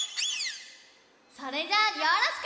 それじゃあよろしく！